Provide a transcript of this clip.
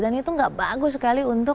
dan itu tidak bagus sekali